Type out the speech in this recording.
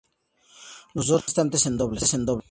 Los dos restantes en dobles.